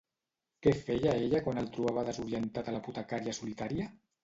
Què feia ella quan el trobava desorientat a l'apotecària solitària?